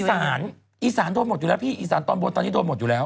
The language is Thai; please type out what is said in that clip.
อีสานอีสานโดนหมดอยู่แล้วพี่อีสานตอนบนตอนนี้โดนหมดอยู่แล้ว